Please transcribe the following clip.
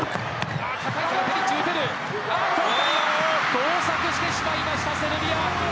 交錯してしまいました、セルビア。